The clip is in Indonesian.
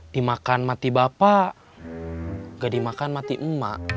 dimakan mati bapak nggak dimakan mati emak